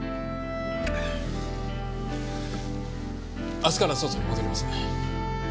明日から捜査に戻ります。